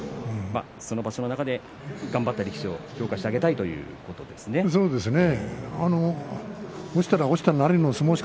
場所の中で頑張った力士を評価してあげたいということですね。